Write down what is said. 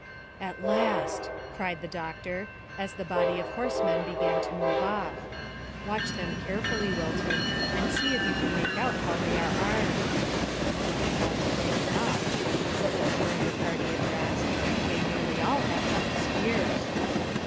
"At last!" cried the doctor, as the body of horsemen began to move off. "Watch them carefully, Wilton, and see if you can make out how they are armed." "That's plain enough," said the member of the party addressed; "they nearly all have long spears."